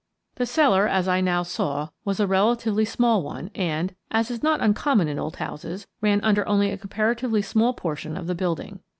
The cellar, as I now saw, was a relatively small one and, as is not uncommon in old houses, ran under only a comparatively small portion of the building.